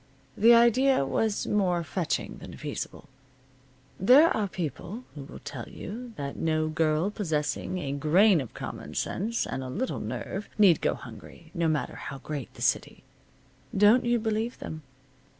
The idea was more fetching than feasible. There are people who will tell you that no girl possessing a grain of common sense and a little nerve need go hungry, no matter how great the city. Don't you believe them.